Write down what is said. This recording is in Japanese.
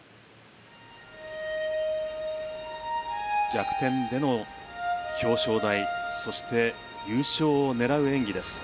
逆転での表彰台そして優勝を狙う演技です。